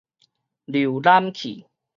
瀏覽器